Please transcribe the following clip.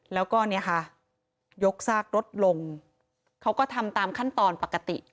แล้วก็ยกซากรถลงเขาก็ทำตามขั้นตอนปกติ